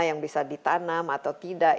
yang bisa ditanam atau tidak